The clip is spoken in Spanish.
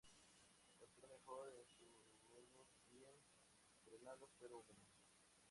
Prospera mejor en suelos bien drenados pero húmedos.